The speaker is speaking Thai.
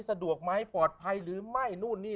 สะดวกไหมปลอดภัยหรือไม่